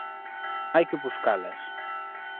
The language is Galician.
Hai que buscalas.